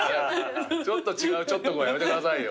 ちょっと違うちょっと君はやめてくださいよ。